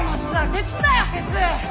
ケツだよケツ！